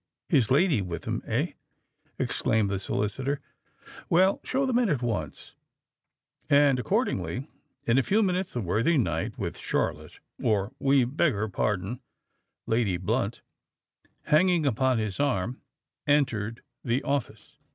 "His lady with him—eh!" exclaimed the solicitor. "Well—show them in at once." And, accordingly, in a few minutes the worthy knight, with Charlotte—or, we beg her pardon, Lady Blunt—hanging upon his arm, entered the office.